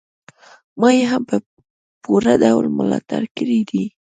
ما يې هم په پوره ډول ملاتړ کړی دی.